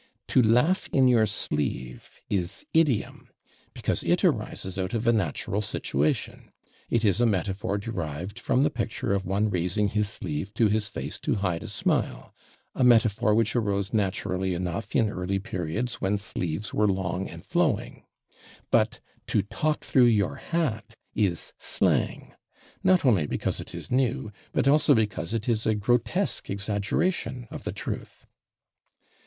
/To laugh in your sleeve/ is idiom because it arises out of a natural situation; it is a metaphor derived from the picture of one raising his sleeve to his face to hide a smile, a metaphor which arose naturally enough in early periods when sleeves were long and flowing; but /to talk through your hat/ is slang, not only because it is new, but also because it is a grotesque exaggeration of the truth."